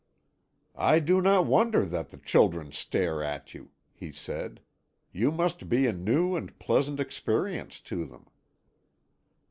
"I do not wonder that the children stare at you," he said; "you must be a new and pleasant experience to them."